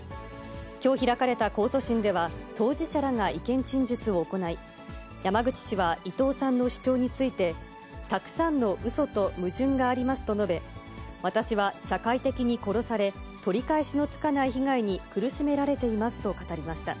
きょう開かれた控訴審では、当事者らが意見陳述を行い、山口氏は伊藤さんの主張について、たくさんのうそと矛盾がありますと述べ、私は社会的に殺され、取り返しのつかない被害に苦しめられていますと語りました。